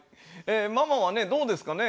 ママはねどうですかね